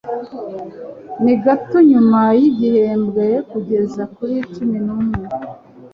Ni gato nyuma yigihembwe kugeza kuri cumi n'umwe.